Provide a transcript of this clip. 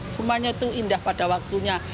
semuanya itu indah pada waktunya